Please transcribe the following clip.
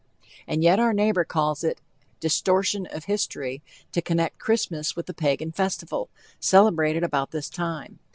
And yet our neighbor calls it "distortion of history" to connect Christmas with the Pagan festival, celebrated about this time.